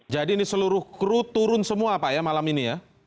jadi ini seluruh kru turun semua pak ya malam ini ya